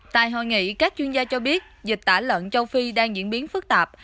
tại hội nghị các chuyên gia cho biết dịch tả lợn châu phi đang diễn biến phức tạp